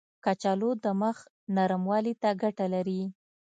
کچالو د مخ نرموالي ته ګټه لري.